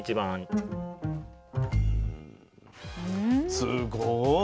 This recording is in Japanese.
すごい。